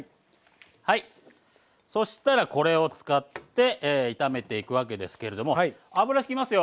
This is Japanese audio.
はいそしたらこれを使って炒めていくわけですけれども油ひきますよ。